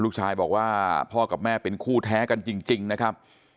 ลูกชายบอกว่าพ่อกับแม่เป็นคู่แท้กันจริงนะครับ